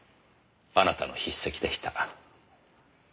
あなたの筆跡でした。